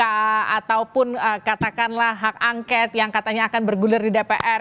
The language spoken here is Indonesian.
ataupun katakanlah hak angket yang katanya akan bergulir di dpr